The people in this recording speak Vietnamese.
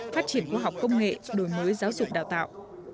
phát triển khoa học công nghệ đổi mới giáo dục đào tạo